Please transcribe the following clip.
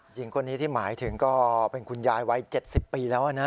หญิงคนนี้ที่หมายถึงก็เป็นคุณยายวัย๗๐ปีแล้วนะ